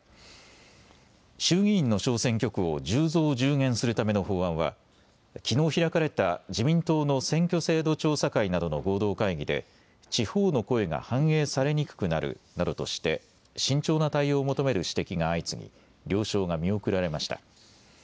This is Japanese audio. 衆議院の小選挙区を１０増１０減するための法案はきのう開かれた自民党の選挙制度調査会などの合同会議で地方の声が反映されにくくなるなどとして慎重な対応を求める指摘が相次ぎ了承が見送られました。